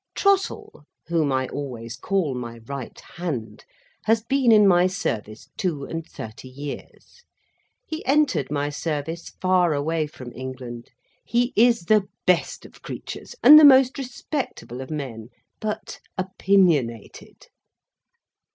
Trottle (whom I always call my right hand) has been in my service two and thirty years. He entered my service, far away from England. He is the best of creatures, and the most respectable of men; but, opinionated.